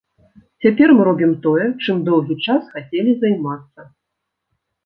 Цяпер мы робім тое, чым доўгі час хацелі займацца.